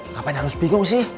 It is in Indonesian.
ngapain harus bingung sih